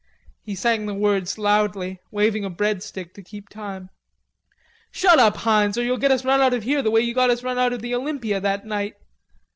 He sang the words loudly, waving a bread stick to keep time. "Shut up, Heinz, or you'll get us run out of here the way you got us run out of the Olympia that night."